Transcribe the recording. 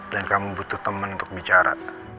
dan kamu butuh temen untuk bicara